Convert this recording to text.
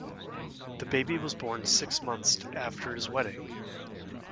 The baby was born six months after his wedding.